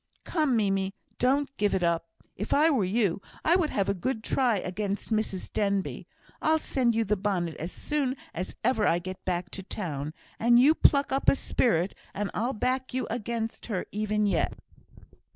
"Come, Mimie, don't give it up. If I were you, I would have a good try against Mrs Denbigh. I'll send you the bonnet as soon as ever I get back to town, and you pluck up a spirit, and I'll back you against her even yet."